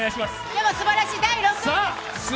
でもすばらしい、第６位です。